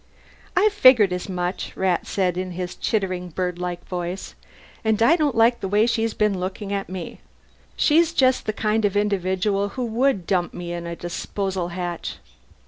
"I figured as much," Rat said in his chittering birdlike voice. "And I don't like the way she's been looking at me. She's just the kind of individual who would dump me in a disposal hatch."